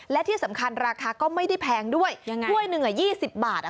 และที่สำคัญราคาก็ไม่ได้แพงด้วยยังไงถ้วยหนึ่ง๒๐บาท